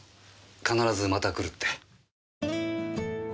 必ずまた来るって。